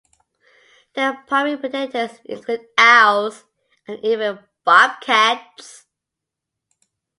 Their primary predators include owls, and even bobcats.